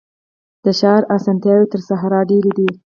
د ښار اسانتیاوي تر صحرا ډیري دي.